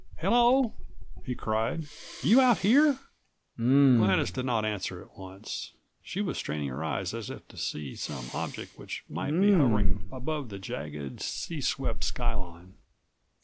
"Hello," he cried, "you out here?" Gladys did not answer at once. She was165 straining her eyes as if to see some object which might be hovering above the jagged, sea swept skyline.